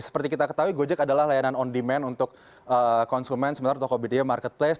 seperti kita ketahui gojek adalah layanan on demand untuk konsumen sementara tokopedia marketplace